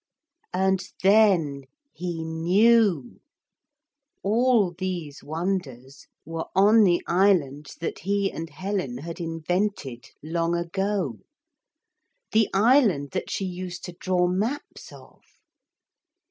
And then he knew. All these wonders were on the island that he and Helen had invented long ago the island that she used to draw maps of.